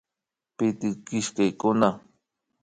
Pitik killkakuna